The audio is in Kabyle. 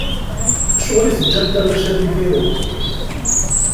Acuɣer i teǧǧamt arrac ad idiren?